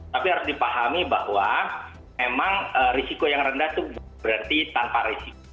tapi harus dipahami bahwa memang risiko yang rendah itu berarti tanpa risiko